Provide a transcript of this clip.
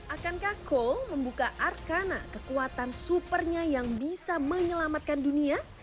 akankah cole membuka arkana kekuatan supernya yang bisa menyelamatkan dunia